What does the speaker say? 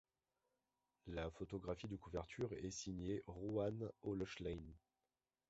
La photographie de couverture est signée Ruan O'Lochlainn.